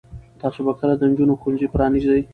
تاسو به کله د نجونو ښوونځي پرانیزئ؟